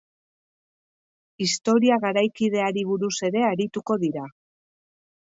Historia garaikideari buruz ere arituko dira.